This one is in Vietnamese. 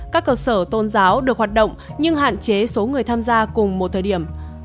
các cơ sở tôn giáo được hoạt động nhưng hạn chế số người tham gia cùng một thời điểm